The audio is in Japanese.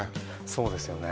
そうですよね